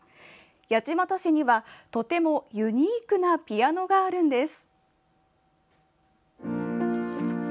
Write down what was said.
八街市には、とてもユニークなピアノがあるんです。